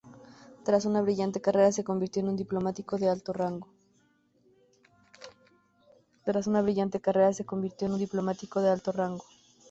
Tras una brillante carrera, se convirtió en un diplomático de alto rango.